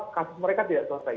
kasus mereka tidak selesai